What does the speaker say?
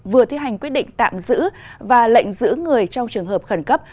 vừa thi hành quyết định tạm giữ và lệnh giữ người trong trường hợp khẩn cấp